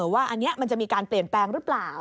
ว่าอันนี้มันจะมีการเปลี่ยนแปลงหรือเปล่า